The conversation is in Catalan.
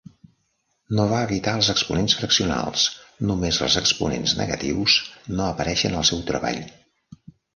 No va evitar els exponents fraccionals; només els exponents negatius no apareixen al seu treball.